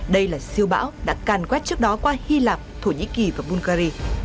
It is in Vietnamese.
đây là siêu bão đã càn quét trước đó qua hy lạp thổ nhĩ kỳ và bungary